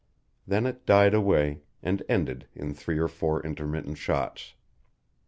Then it died away, and ended in three or four intermittent shots.